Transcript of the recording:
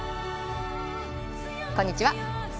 こんにちは。